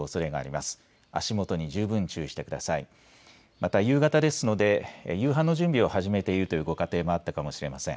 また夕方ですので夕飯の準備を始めているというご家庭もあったかもしれません。